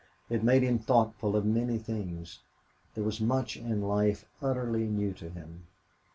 It made him thoughtful of many things. There was much in life utterly new to him.